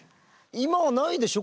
今はないでしょ？